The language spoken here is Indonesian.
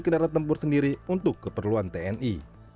kendaraan tempur sendiri untuk keperluan tni